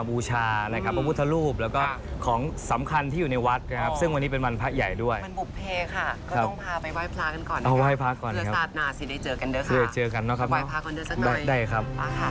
สวัสดีครับพี่โหแล้วก็นี่คือเพื่อนด้วยแฟนคลับครับ